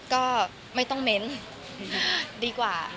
ก็ไม่ต้องเม้นดีกว่า